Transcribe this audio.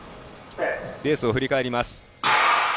レースを振り返ります。